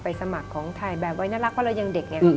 ไปสมัครของถ่ายแบบไว้นักลักว่าเรายังเด็กไง